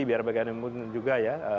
biar bagian yang mudah juga ya